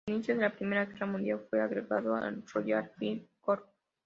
Al inicio de la Primera Guerra Mundial, fue agregado al Royal Flying Corps.